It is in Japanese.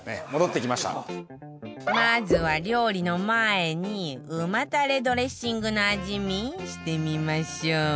まずは料理の前に旨たれドレッシングの味見してみましょう